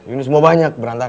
ini semua banyak berantakan